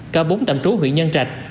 cả bốn tạm trú huyện nhân trạch